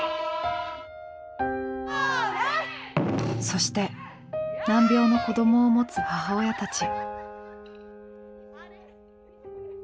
そして難病の子供をもつ母親たち。